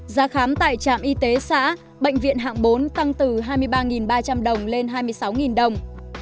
giá khám tại trạm y tế xã bệnh viện hạng bốn tăng từ hai mươi ba ba trăm linh đồng lên hai mươi sáu đồng